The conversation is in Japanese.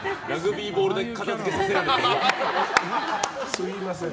すみません。